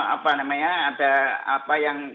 apa namanya ada apa yang